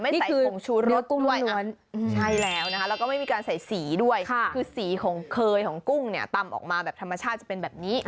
ใส่ผงชูรสกุ้งด้วยใช่แล้วนะคะแล้วก็ไม่มีการใส่สีด้วยคือสีของเคยของกุ้งเนี่ยตำออกมาแบบธรรมชาติจะเป็นแบบนี้